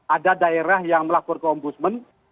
ada daerah yang melakukan keombusmen